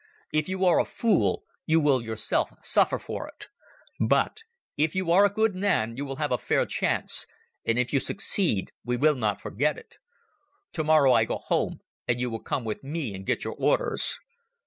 If you are a fool, you will yourself suffer for it. But if you are a good man, you will have a fair chance, and if you succeed we will not forget it. Tomorrow I go home and you will come with me and get your orders."